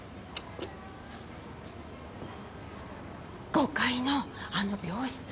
・５階のあの病室。